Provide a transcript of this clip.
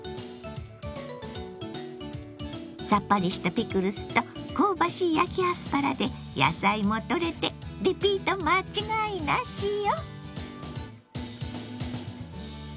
さっぱりしたピクルスと香ばしい焼きアスパラで野菜もとれてリピート間違いなしよ！